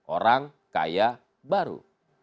orang kaya baru